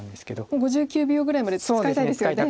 もう５９秒ぐらいまで使いたいですよね。